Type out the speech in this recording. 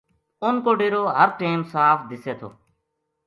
اُنھ کو ڈیرو ہر ٹیم صاف دِسے تھو